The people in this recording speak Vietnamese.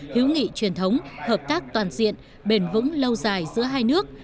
hiếu nghị truyền thống hợp tác toàn diện bền vững lâu dài giữa hai nước